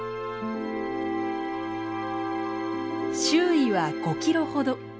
周囲は５キロほど。